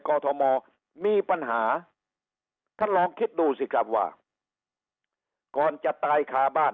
อทมมีปัญหาท่านลองคิดดูสิครับว่าก่อนจะตายคาบ้าน